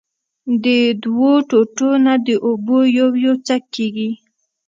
د دؤو ټوټو نه د اوبو يو يو څک کېږي